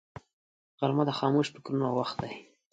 غرمه د خاموش فکرونو وخت دی